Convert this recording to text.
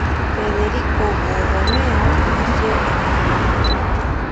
Federico Borromeo nació en Milán.